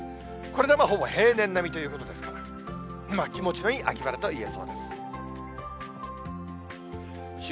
これでほぼ平年並みということですから、まあ気持ちのいい秋晴れといえそうです。